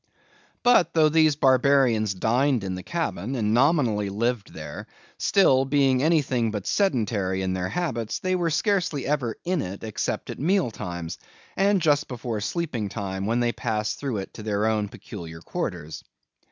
But, though these barbarians dined in the cabin, and nominally lived there; still, being anything but sedentary in their habits, they were scarcely ever in it except at mealtimes, and just before sleeping time, when they passed through it to their own peculiar quarters.